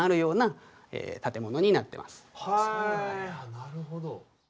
なるほど。